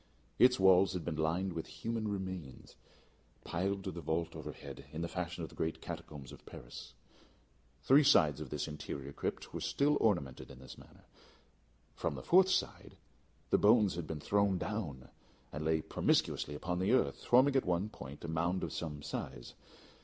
Its walls had been lined with human remains, piled to the vault overhead, in the fashion of the great catacombs of Paris. Three sides of this interior crypt were still ornamented in this manner. From the fourth side the bones had been thrown down, and lay promiscuously upon the earth, forming at one point a mound of some size.